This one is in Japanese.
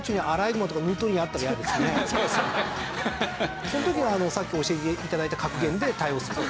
その時はさっき教えて頂いた格言で対応すると。